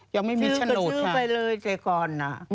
ยังไม่มีฉนดค่ะซื้อไปเลยแต่ก่อนน่ะ